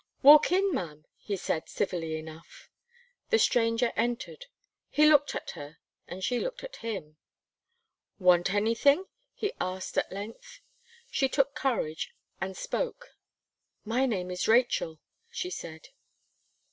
"Walk in ma'am," he said, civilly enough. The stranger entered; he looked at her, and she looked at him. "Want anything?" he asked, at length. She took courage and spoke. "My name is Rachel," she said.